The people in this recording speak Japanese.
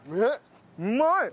うまい！